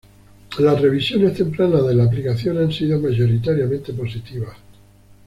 Las revisiones tempranas de la aplicación han sido mayoritariamente positivas.